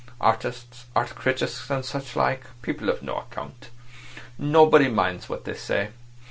Artists—art critics and such like—people of no account. Nobody minds what they say.